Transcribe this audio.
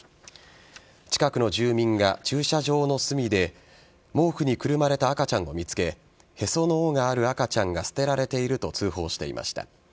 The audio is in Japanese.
近くの住民が駐車場の隅で毛布にくるまれた赤ちゃんを見つけへその緒がある赤ちゃんが捨てられていると通報していました。